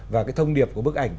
và cái thông điệp của bức ảnh